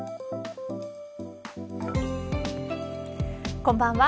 こんばんは。